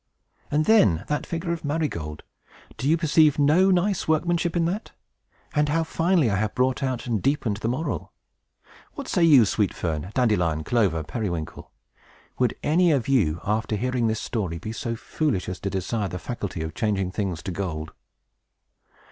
And then that figure of Marygold! Do you perceive no nice workmanship in that? And how finely I have brought out and deepened the moral! What say you, Sweet Fern, Dandelion, Clover, Periwinkle? Would any of you, after hearing this story, be so foolish as to desire the faculty of changing things to gold?"